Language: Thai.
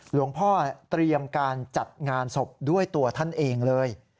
หลวงพ่อเตรียมการจัดงานศพด้วยตัวท่านเองเลย